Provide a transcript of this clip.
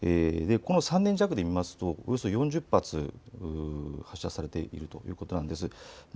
この３年弱で見ますとおよそ４０発発射されているということなんです。